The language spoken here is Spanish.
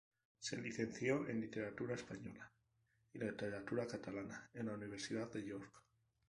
Se licenció en literatura española y literatura catalana en la Universidad de Nueva York.